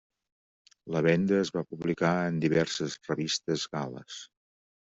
La venda es va publicar en diverses revistes gal·les.